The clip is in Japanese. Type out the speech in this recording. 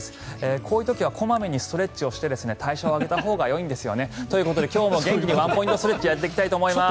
こういう時は小まめにストレッチをして代謝を上げたほうがいいんですよね。ということで今日もワンポイントストレッチをやっていきたいと思います。